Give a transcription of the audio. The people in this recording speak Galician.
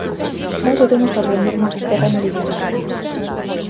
Moito temos que aprender no Fisterra meridional!